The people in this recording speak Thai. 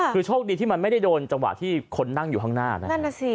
คือโชคดีที่มันไม่ได้โดนจังหวะที่คนนั่งอยู่ข้างหน้านะนั่นน่ะสิ